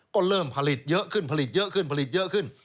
ก็เริ่มผลิตเยอะขึ้นผลิตเยอะขึ้นผลิตเยอะขึ้น